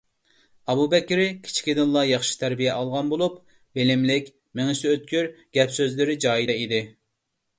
ئەبۇ بەكرى كىچىكىدىنلا ياخشى تەربىيە ئالغان بولۇپ، بىلىملىك، مېڭىسى ئۆتكۈر، گەپ-سۆزلىرى جايىدا ئىدى.